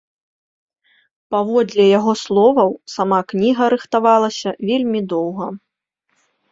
Паводле яго словаў, сама кніга рыхтавалася вельмі доўга.